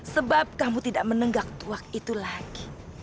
sebab kamu tidak menenggak tuak itu lagi